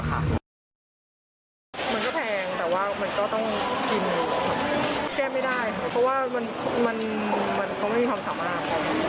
มันก็แพงแต่ว่ามันก็ต้องกินแก้ไม่ได้ค่ะเพราะว่าเขาไม่มีความสามารถ